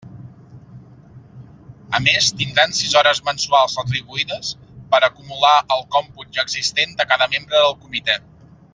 A més, tindran sis hores mensuals retribuïdes per acumular al còmput ja existent de cada membre del comitè.